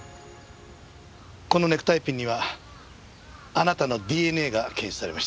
このネクタイピンにはあなたのＤＮＡが検出されました。